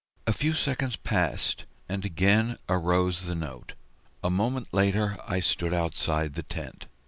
A few seconds passed, and again arose the note; a moment later I stood outside the tent.